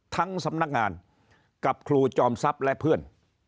ทั้งสำนักงานกับครูจอมทรัพย์และเพื่อน